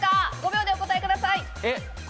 ５秒でお答えください。